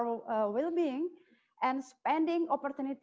dan peluang yang berpengaruh